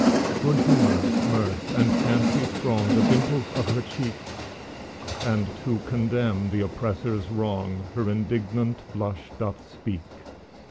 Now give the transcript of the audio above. Good humor, mirth, and fancy throng The dimples of her cheek, And to condemn the oppressor's wrong Her indignant blush doth speak.